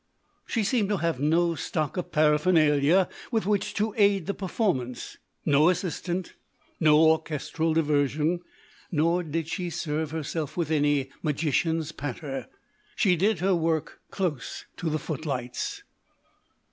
She seemed to have no stock of paraphernalia with which to aid the performance; no assistant, no orchestral diversion, nor did she serve herself with any magician's patter. She did her work close to the footlights.